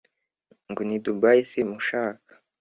Ngo ni Dubai simushaka